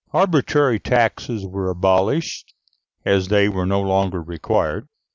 Arbitrary taxes were abolished, as they were no longer required.